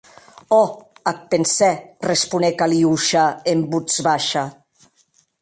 Òc, ac pensè, responec Aliosha en votz baisha.